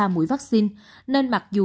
mũi vaccine nên mặc dù